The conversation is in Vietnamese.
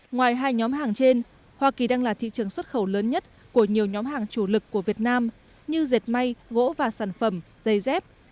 ngoài hai nhóm hàng trên hoa kỳ đang là thị trường xuất khẩu lớn nhất của nhiều nhóm hàng chủ lực của việt nam như dệt may gỗ và sản phẩm dây dép